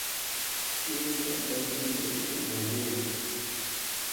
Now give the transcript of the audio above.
اے اُتھا بڈھنی ندی تے نیںدے ہن۔